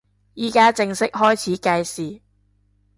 依家正式開始計時